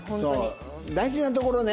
そう大事なところね。